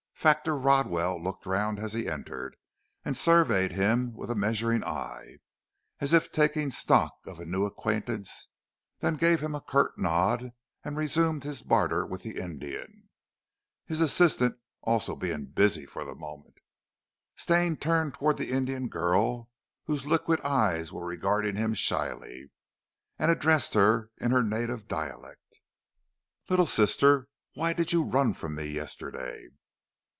Factor Rodwell looked round as he entered, and surveyed him with a measuring eye, as if taking stock of a new acquaintance, then gave him a curt nod and resumed his barter with the Indian. His assistant being also busy for the moment, Stane turned towards the Indian girl whose liquid eyes were regarding him shyly, and addressed her in her native dialect. "Little sister, why did you run from me yesterday?"